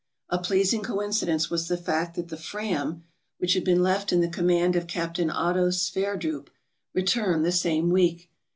A pleasing coincidence was the fact that the "Fram," which had been left in the command of Capt. Otto Sverdrup, returned the same week.